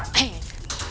pak chandra keluar